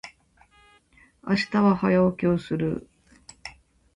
明日は早起きをする。